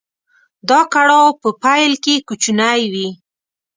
دا کړاو په پيل کې کوچنی وي.